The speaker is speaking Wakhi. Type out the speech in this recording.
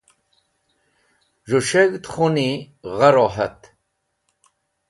Z̃hũ s̃heg̃hd khuni g̃ha rohat.